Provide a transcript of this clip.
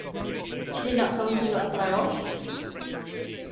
"She did not come to you at Laroche?"